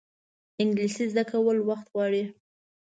انګلیسي زده کول وخت غواړي